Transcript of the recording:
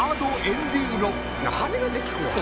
初めて聞くわ！